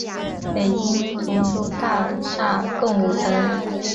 北京图书大厦共五层。